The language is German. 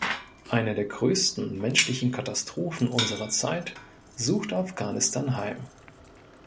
Eine der größten menschlichen Katastrophen unserer Zeit sucht Afghanistan heim.